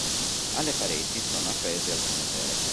Alle pareti sono appese alcune tele.